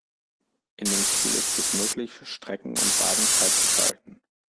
In dem Spiel ist es möglich, Strecken und Wagen freizuschalten.